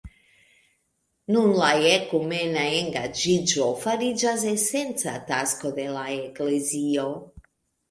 Nun la ekumena engaĝiĝo fariĝas esenca tasko de la eklezio.